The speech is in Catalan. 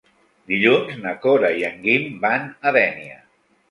Dilluns na Cora i en Guim van a Dénia.